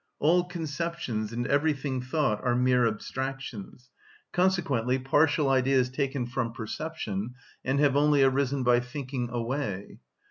All conceptions and everything thought are mere abstractions, consequently partial ideas taken from perception, and have only arisen by thinking away.